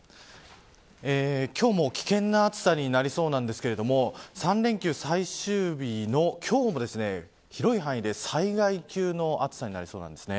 今日も危険な暑さになりそうなんですけれども３連休最終日の今日も広い範囲で災害級の暑さになりそうなんです。